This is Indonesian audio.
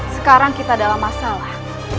sekarang kita dalam masalah